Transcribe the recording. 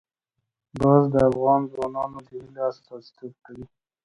ګاز د افغان ځوانانو د هیلو استازیتوب کوي.